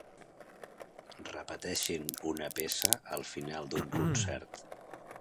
Repeteixin una peça al final d'un concert.